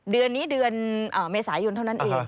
เดือนนี้เดือนเมษายนเท่านั้นเอง